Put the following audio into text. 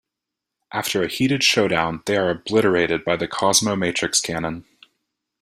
After a heated showdown, they are obliterated by the Cosmo Matrix Cannon.